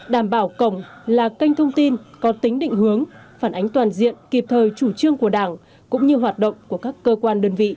đảm bảo cổng là kênh thông tin có tính định hướng phản ánh toàn diện kịp thời chủ trương của đảng cũng như hoạt động của các cơ quan đơn vị